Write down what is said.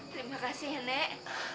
terima kasih nek